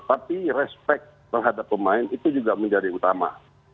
tapi respect terhadap pemain itu juga menjadi utama